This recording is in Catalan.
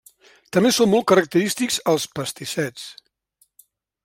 També són molt característics els pastissets.